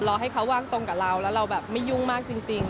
รอให้เขาว่างตรงกับเราแล้วเราแบบไม่ยุ่งมากจริง